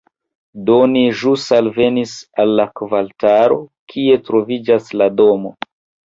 Do ni ĵus alvenis al la kvartalo, kie troviĝas la domo